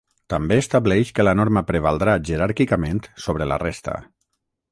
També estableix que la norma prevaldrà jeràrquicament sobre la resta.